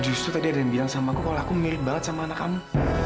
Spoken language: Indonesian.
justru tadi ada yang bilang sama aku kalau aku mirip banget sama anak kamu